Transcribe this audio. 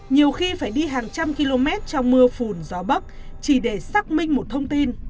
nhiều khi phải đi hàng trăm km trong mưa phùn gió bắc chỉ để xác minh một thông tin